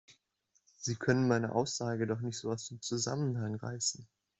Sie können meine Aussage doch nicht so aus dem Zusammenhang reißen!